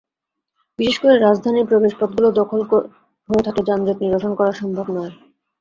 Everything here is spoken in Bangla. বিশেষ করে রাজধানীর প্রবেশপথগুলো দখল হয়ে থাকলে যানজট নিরসন করা সম্ভব নয়।